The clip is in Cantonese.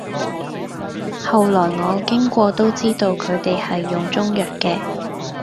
後來我經過都知道佢哋係用中藥嘅，